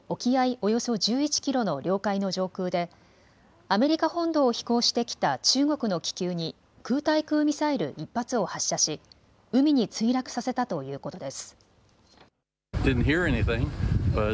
およそ１１キロの領海の上空でアメリカ本土を飛行してきた中国の気球に空対空ミサイル１発を発射し、海に墜落させたということです。